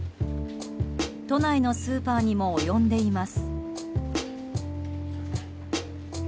都内のスーパーにも及んでいます。